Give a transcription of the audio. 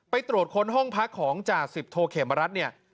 ไปตรวจค้นห้องพักของจากสิบโทเขฟรัสนี่